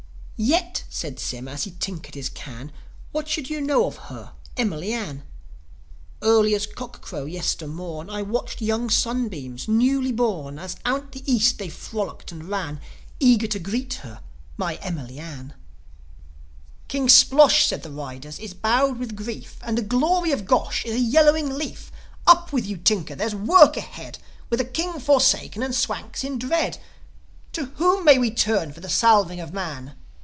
"Yet," said Sym, as he tinkered his can, "What should you know of her, Emily Ann? Early as cock crow yester morn I watched young sunbeams, newly born, As out of the East they frolicked and ran, Eager to greet her, my Emily Arm." "King Splosh," said the riders, "is bowed with grief; And the glory of Gosh is a yellowing leaf. Up with you, Tinker! There's work ahead. With a King forsaken, and Swanks in dread, To whom may we turn for the salving of man?"